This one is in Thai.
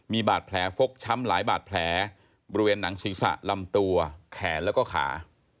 มีบาดแผลฟกช้ำหลายบาดแผลบริเวณหนังศีรษะลำตัวแขนแล้วก็ขา